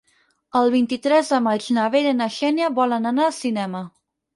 El vint-i-tres de maig na Vera i na Xènia volen anar al cinema.